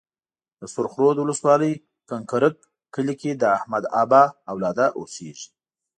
د سرخ رود ولسوالۍ کنکرک کلي کې د احمدآبا اولاده اوسيږي.